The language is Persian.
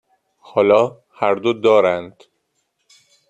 حالا هر دو دارند.